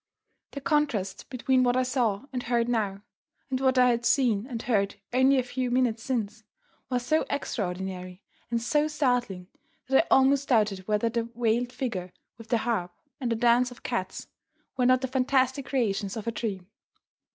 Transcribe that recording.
The contrast between what I saw and heard now, and what I had seen and heard only a few minutes since, was so extraordinary and so startling that I almost doubted whether the veiled figure with the harp, and the dance of cats, were not the fantastic creations of a dream.